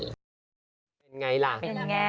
เป็นอย่างไรละ